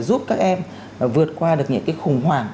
giúp các em vượt qua được những cái khủng hoảng